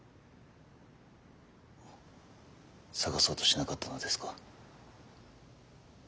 捜そうとしなかったのですか？